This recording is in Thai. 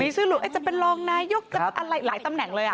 มีชื่อหลุดจะเป็นรองนายกหลายตำแหน่งเลย